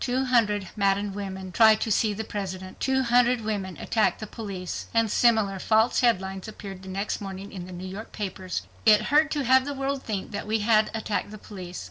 "Two hundred maddened women try to see the President" ... "Two hundred women attack the police," and similar false headlines, appeared the next morning in the New York papers. It hurt to have the world think that we had attacked the police.